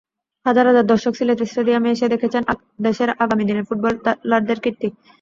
হাজার হাজার দর্শক সিলেট স্টেডিয়ামে এসে দেখেছেন দেশের আগামী দিনের ফুটবলারদের কীর্তি।